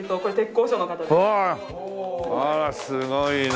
すごいな。